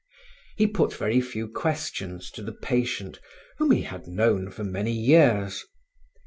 He put very few questions to the patient whom he had known for many years.